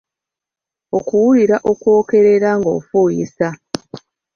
Okuwulira okwokerera ng’ofuuyisa.